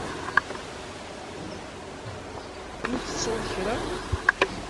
Ur tettuḍ kra?